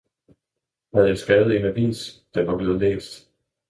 – Havde jeg skrevet en avis, den var blevet læst!